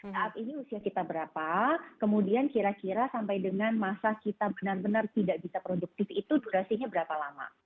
saat ini usia kita berapa kemudian kira kira sampai dengan masa kita benar benar tidak bisa produktif itu durasinya berapa lama